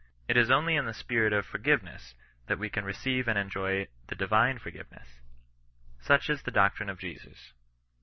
It is only in the spirit of human for giveness that wo can receive and enjoy the divine for giveness. Such is the doctrine of Jesus.